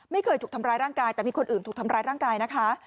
ไม่เคยถูกทำร้ายร่างกายแต่มีคนอื่นถูกทำร้ายร่างกายนะคะ